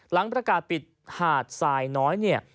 หลังประกาศปิดหาดทรายน้อย